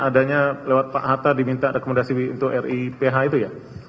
adanya lewat pak hatta diminta rekomendasi untuk ri ph itu ya